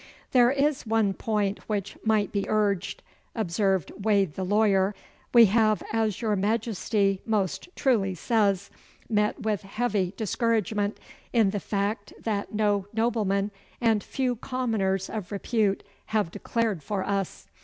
'There is one point which might be urged,' observed Wade the lawyer. 'We have, as your Majesty most truly says, met with heavy discouragement in the fact that no noblemen and few commoners of repute have declared for us.